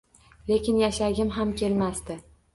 Lekin yashagim ham kelmasdi